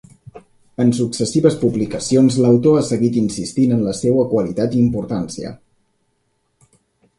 En successives publicacions, l'autor ha seguit insistint en la seua qualitat i importància.